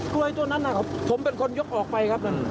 กล้วยตัวนั้นนะครับผมเป็นคนยกออกไปครับนั่น